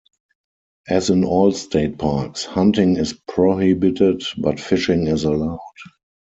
As in all state parks, hunting is prohibited, but fishing is allowed.